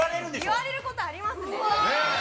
言われることありますね。